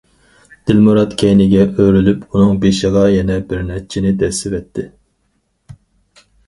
دىلمۇرات كەينىگە ئۆرۈلۈپ، ئۇنىڭ بېشىغا يەنە بىر نەچچىنى دەسسىۋەتتى.